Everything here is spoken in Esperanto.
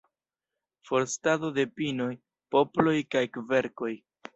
Forstado de pinoj, poploj kaj kverkoj.